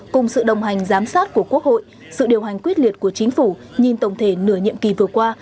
cùng sự đồng hành giám sát của quốc hội sự điều hành quyết liệt của chính phủ nhìn tổng thể nửa nhiệm kỳ vừa qua